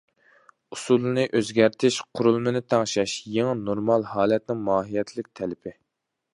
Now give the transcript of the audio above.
ئۇسۇلنى ئۆزگەرتىش، قۇرۇلمىنى تەڭشەش يېڭى نورمال ھالەتنىڭ ماھىيەتلىك تەلىپى.